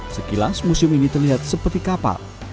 sekilas museum ini terlihat seperti kapal